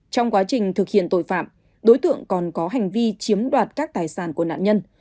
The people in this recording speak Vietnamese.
trong quá trình thực hiện tội phạm đối tượng còn có hành vi chiếm đoạt các tài sản của nạn nhân